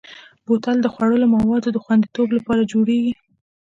بوتل د خوړلو موادو د خوندیتوب لپاره جوړېږي.